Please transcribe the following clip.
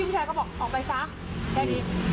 คือแฟนเราพยายามหลบ